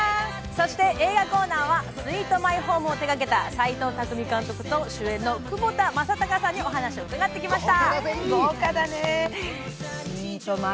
そして映画コーナーは「スイート・マイホーム」を手がけた齊藤工監督と主演の窪田正孝さんにお話を伺ってきました。